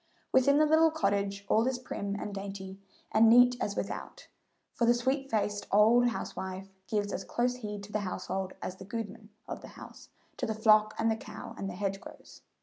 Within the little cottage all is as prim and dainty and neat as without, for the sweet faced old housewife gives as close heed to the household as the "gudeman" of the house to the flock and the cow and the hedgerows.